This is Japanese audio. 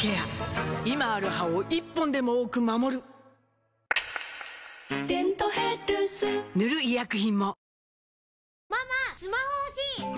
今ある歯を１本でも多く守る「デントヘルス」塗る医薬品も